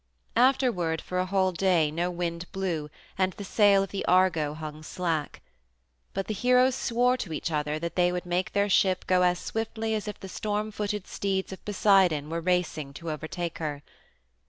Afterward, for a whole day, no wind blew and the sail of the Argo hung slack. But the heroes swore to each other that they would make their ship go as swiftly as if the storm footed steeds of Poseidon were racing to overtake her.